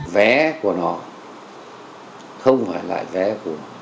vé của nó không phải là vé của